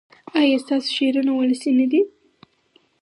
ایا ستاسو شعرونه ولسي نه دي؟